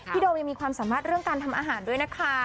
โดมยังมีความสามารถเรื่องการทำอาหารด้วยนะคะ